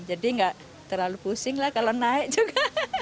jadi gak terlalu pusing lah kalau naik juga